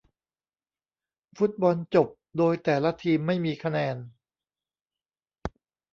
ฟุตบอลจบโดยแต่ละทีมไม่มีคะแนน